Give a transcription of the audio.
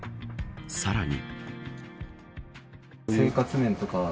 さらに。